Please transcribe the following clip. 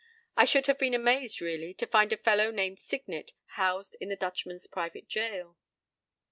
I should have been amazed, really, to find a fellow named Signet housed in the Dutchman's private jail.